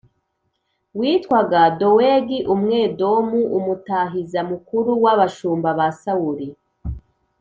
witwaga Dowegi Umwedomu, umutahiza mukuru w’abashumba ba Sawuli.